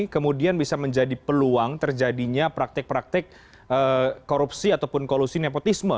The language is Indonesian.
kemudian bisa menjadi peluang terjadinya praktek praktek korupsi ataupun kolusi nepotisme